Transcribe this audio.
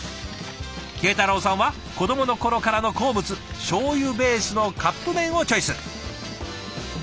慶太郎さんは子どもの頃からの好物しょうゆベースのカップ麺をチョイス。